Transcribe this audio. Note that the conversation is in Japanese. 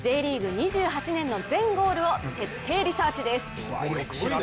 ２８年の全ゴールを徹底リサーチです。